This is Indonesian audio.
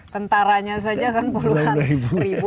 tentaranya saja kan puluhan ribu